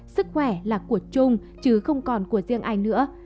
sức khỏe là của chung chứ không còn của riêng ai nữa